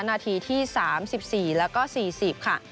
นาทีที่๓๔แล้วก็๔๐ค่ะ